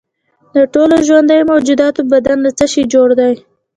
د ټولو ژوندیو موجوداتو بدن له څه شي جوړ دی